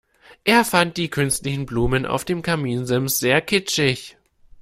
Er fand die künstlichen Blumen auf dem Kaminsims sehr kitschig.